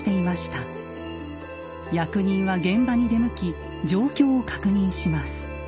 役人は現場に出向き状況を確認します。